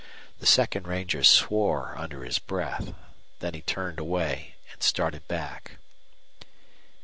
The second ranger swore under his breath. Then he turned away and started back.